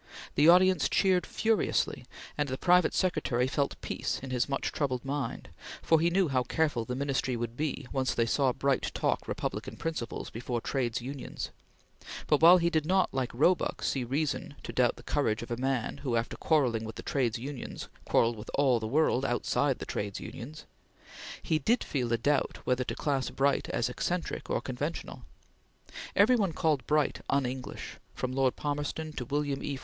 The audience cheered furiously, and the private secretary felt peace in his much troubled mind, for he knew how careful the Ministry would be, once they saw Bright talk republican principles before Trades Unions; but, while he did not, like Roebuck, see reason to doubt the courage of a man who, after quarrelling with the Trades Unions, quarreled with all the world outside the Trades Unions, he did feel a doubt whether to class Bright as eccentric or conventional. Every one called Bright "un English," from Lord Palmerston to William E.